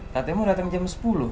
tante mau dateng jam sepuluh